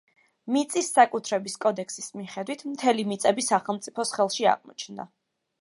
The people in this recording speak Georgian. მიწის საკუთრების კოდექსის მიხედვით, მთელი მიწები სახელმწიფოს ხელში აღმოჩნდა.